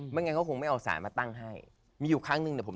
ไม่งั้นเขาก็ไม่เอาตั้งสาร